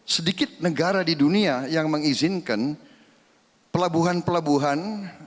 sedikit negara di dunia yang mengizinkan pelabuhan pelabuhan